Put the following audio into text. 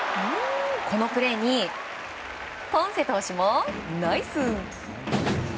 このプレーにポンセ投手もナイス！